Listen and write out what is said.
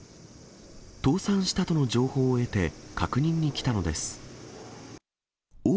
倒産したとの情報を得て、確認に来たのです。